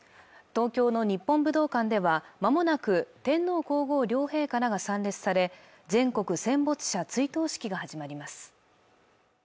東京の日本武道館ではまもなく天皇皇后両陛下らが参列され全国戦没者追悼式が始まります